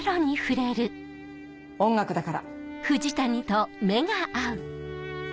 音楽だから。